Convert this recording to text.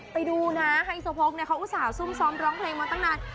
ไปดูนะไฮโซโพกเนี่ยเขาอุตส่าหุ่มซ้อมร้องเพลงมาตั้งนาน